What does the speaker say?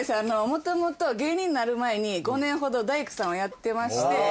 元々芸人になる前に５年ほど大工さんをやってまして。